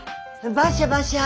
バシャバシャ。